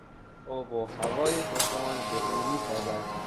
آب و هوای تهران به او میسازد.